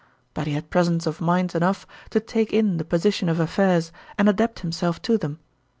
But he had presence of mind enough to take in the position of affairs, and adapt him self to them.